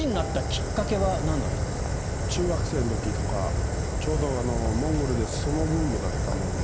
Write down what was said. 中学生のときとかちょうどモンゴルで相撲ブームだったもんで。